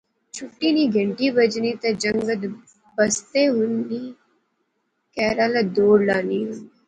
چھٹی نی کہنٹی بجنی تے جنگت بستے ہنی کہرا ا دوڑ لائی ہننے